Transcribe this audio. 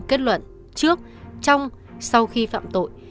kết luận trước trong sau khi phạm tội